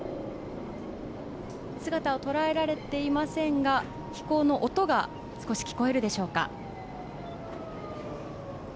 姿を捉えられていませんが、飛行の音が少し聞こえるでしょうか。